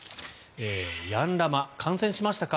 ヤンラマ、感染しましたか？